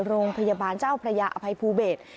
โรงพยาบาลเจ้าพระยาอภัยภูเบศ